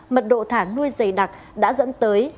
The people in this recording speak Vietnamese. mật độ thả nuôi dày đặc đã dẫn tới